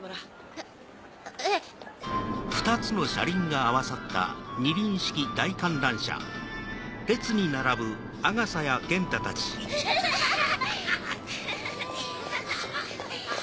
えええ。ハハハ。